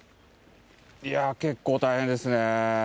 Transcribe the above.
いやー、結構大変ですね。